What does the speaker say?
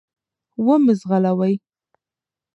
و مي ځغلوی .